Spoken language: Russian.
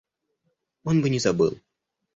Он бы не забыл.